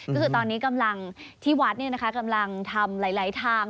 ก็คือตอนนี้กำลังที่วัดกำลังทำหลายทาง